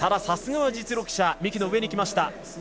さすが実力者三木の上にきました。